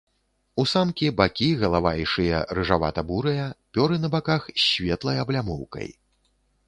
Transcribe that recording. У самкі бакі, галава і шыя рыжавата-бурыя, пёры на баках з светлай аблямоўкай.